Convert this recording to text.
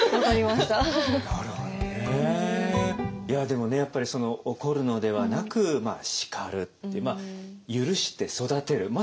いやでもねやっぱり怒るのではなく叱るって許して育てる。